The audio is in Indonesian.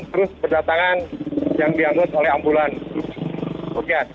terus berdatangan yang diangkut oleh ambulans